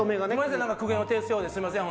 なんか苦言を呈すようですいません